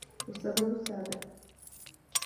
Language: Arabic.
وَالسَّبَبُ السَّابِعُ